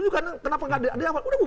kenapa nggak diapal